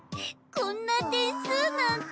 こんな点数なんて。